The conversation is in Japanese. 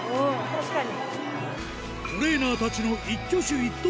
確かに。